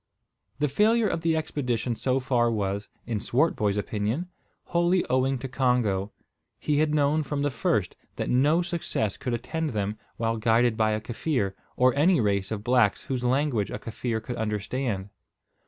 The failure of the expedition so far was, in Swartboy's opinion, wholly owing to Congo. He had known from the first that no success could attend them while guided by a Kaffir, or any race of blacks whose language a Kaffir could understand.